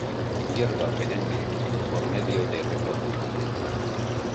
Hierba perenne por medio de rizoma.